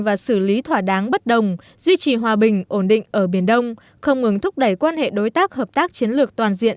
và xử lý thỏa đáng bất đồng duy trì hòa bình ổn định ở biển đông không ngừng thúc đẩy quan hệ đối tác hợp tác chiến lược toàn diện